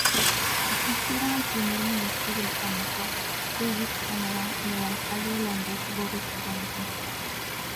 Asistieron el primer ministro británico, David Cameron, y el alcalde de Londres, Boris Johnson.